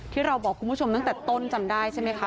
ที่เราบอกคุณผู้ชมตั้งแต่ต้นจำได้ใช่ไหมคะ